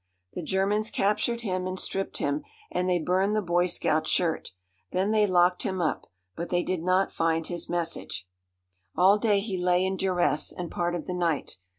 The Germans captured him and stripped him, and they burned the boy scout shirt. Then they locked him up, but they did not find his message. All day he lay in duress, and part of the night.